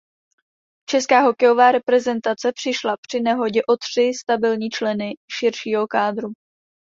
Česká hokejová reprezentace přišla při nehodě o tři stabilní členy širšího kádru.